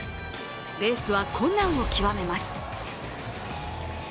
レースは困難を極めます。